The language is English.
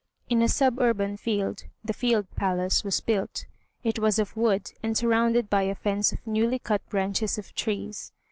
In a suburban field the "field palace" was built. It was of wood, and surrounded by a fence of newly cut branches of trees.